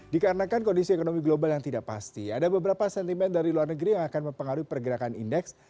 dikarenakan kondisi ekonomi global yang tidak pasti ada beberapa sentimen dari luar negeri yang akan mempengaruhi pergerakan indeks